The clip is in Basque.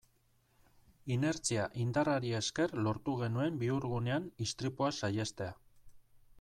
Inertzia indarrari esker lortu genuen bihurgunean istripua saihestea.